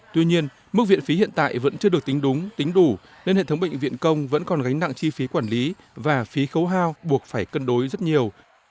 tuy nhiên mức viện phí hiện tại vẫn chưa được tính đúng tính đủ nên hệ thống bệnh viện công vẫn còn gánh nặng chi phí quản lý và phí khấu hao buộc phải cân đối rất nhiều